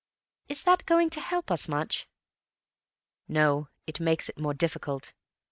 "Is that going to help us much?" "No. It makes it more difficult.